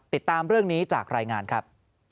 ติดตามเรื่องนี้จากรายงานครับ